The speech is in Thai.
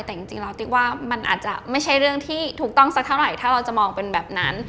แต่จริงแล้วติ๊กว่ามันอาจจะไม่ใช่เรื่องที่ถูกต้องสักเท่าไหร่ถ้าเราจะมองเป็นแบบนั้น